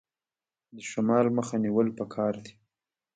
د شمال مخه نیول پکار دي؟